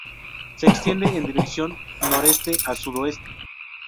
Se extiende en dirección noreste a sudoeste.